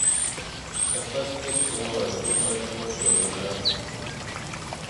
The first editor was Robert Morton Nance.